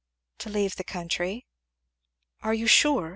"To leave the country." "Are you sure?